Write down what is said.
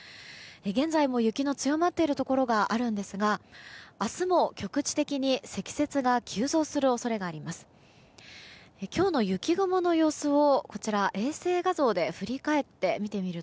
現在も雪の強まっているところがあるんですが明日も局地的に積雪が急増する恐れがあります。